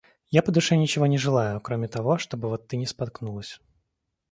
Я по душе ничего не желаю, кроме того, чтобы вот ты не споткнулась.